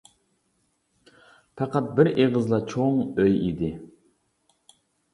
پەقەت بىر ئېغىزلا چوڭ ئۆي ئىدى.